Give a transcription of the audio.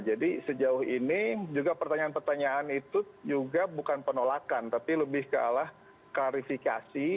jadi sejauh ini juga pertanyaan pertanyaan itu juga bukan penolakan tapi lebih ke alah karifikasi